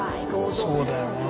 そうだよなあ。